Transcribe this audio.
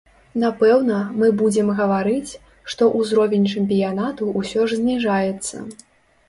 Напэўна, мы будзем гаварыць, што ўзровень чэмпіянату ўсё ж зніжаецца.